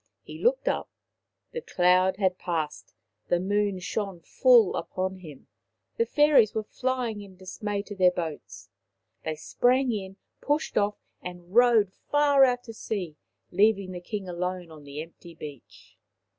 He looked up. The cloud had passed, the moon shone full upon him, the fairies were flying in dismay to their boats. They sprang in, pushed off, and rowed far out to sea, leaving the King alone on the empty beach.